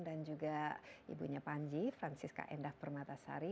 dan juga ibunya panji francisca endah permatasari